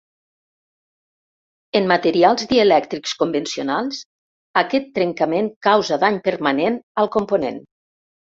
En materials dielèctrics convencionals, aquest trencament causa dany permanent al component.